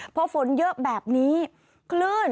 พอฝนเยอะแบบนี้คลื่น